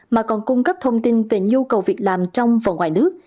mà còn cung cấp thông tin về nhu cầu việc làm trong và ngoài nước